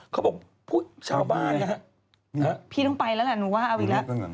เขาบอกชาวบ้านนะฮะพี่ต้องไปแล้วแหละหนูว่าเอาอีกแล้ว